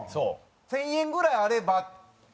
１０００円ぐらいあればって感じ？